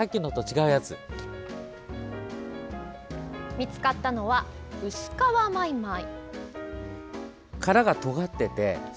見つかったのはウスカワマイマイ。